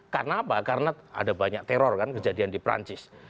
karena apa karena ada banyak teror kan kejadian di perancis